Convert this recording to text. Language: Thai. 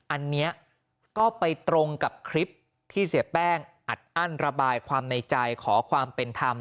อันนี้ก็ไปตรงกับคลิปที่เสียแป้งอัดอั้นระบายความในใจขอความเป็นธรรม